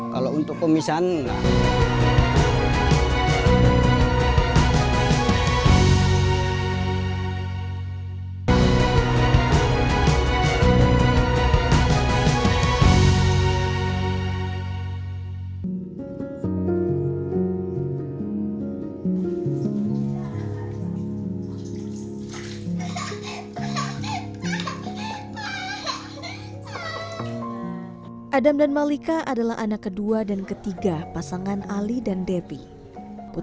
kalau untuk pemisahan nggak